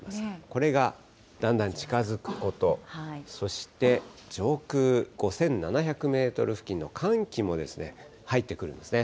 これがだんだん近づくこと、そして、上空５７００メートル付近の寒気も入ってくるんですね。